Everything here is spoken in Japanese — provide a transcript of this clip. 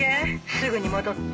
すぐに戻って。